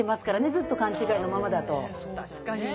ずっと勘違いのままだと。